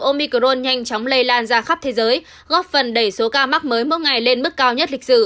omicron nhanh chóng lây lan ra khắp thế giới góp phần đẩy số ca mắc mới mỗi ngày lên mức cao nhất lịch sử